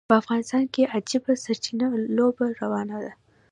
په افغانستان کې عجیبه سرچپه لوبه روانه ده.